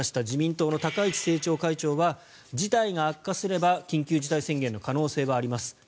自民党の高市政調会長は事態が悪化すれば緊急事態宣言の可能性はあります。